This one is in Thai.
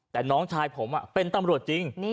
แต่น้องชายผมเป็นตำรวจจริง